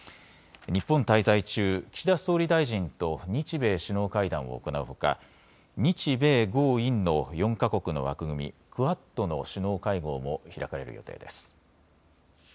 日本滞在中、岸田総理大臣と日米首脳会談を行うほか日米豪印の４か国の枠組みクアッドの首脳会合も開かれる予定です。